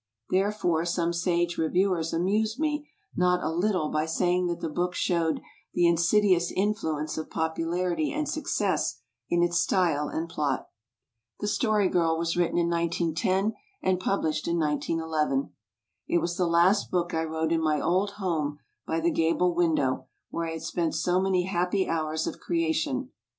Therefore some sage review ers amused me not a little by saying that the book showed "the insidious influence of popularity and success" in its style and plot! The Story Girl was written in 1910 and published in 191 1. It was the last book I wrote in my old home by the gable window where I had spent so many happy hours of creation.